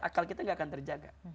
akal kita gak akan terjaga